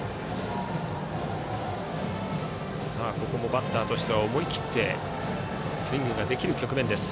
バッターとしては思い切ってスイングできる局面です。